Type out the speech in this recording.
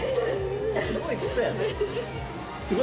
すごいことや。